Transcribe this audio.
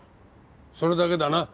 それだけだな？